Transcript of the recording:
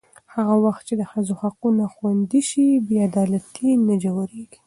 هغه وخت چې د ښځو حقونه خوندي شي، بې عدالتي نه ژورېږي.